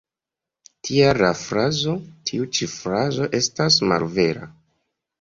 Tial la frazo ""Tiu ĉi frazo estas malvera.